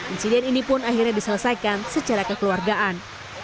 insiden ini pun akhirnya diselesaikan secara kekeluargaan